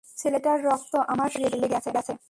ছেলেটার রক্ত আমার শরীরে লেগে আছে!